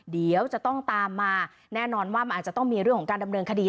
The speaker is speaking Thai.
เดี๋ยวจะต้องตามมาแน่นอนว่ามันอาจจะต้องมีเรื่องของการดำเนินคดี